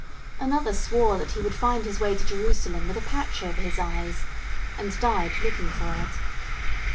Another swore that he would find his way to Jerusalem with a patch over his eyes, and died looking for it.